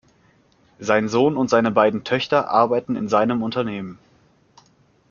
Sein Sohn und seine beiden Töchter arbeiten in seinem Unternehmen.